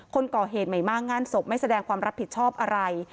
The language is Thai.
คนก่อเหตุใหม่มากงานศพไม่แสดงความรับผิดชอบอะไร